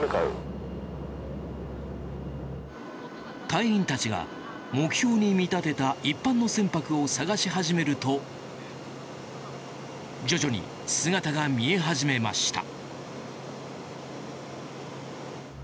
隊員たちが目標に見立てた一般の船舶を探し始めると徐々に姿が見え始めました。